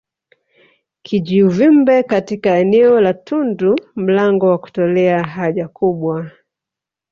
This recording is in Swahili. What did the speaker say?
Kijiuvimbe katika eneo la tundu mlango wa kutolea haja kubwa